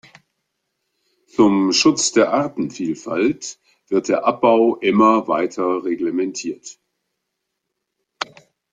Zum Schutz der Artenvielfalt wird der Abbau immer weiter reglementiert.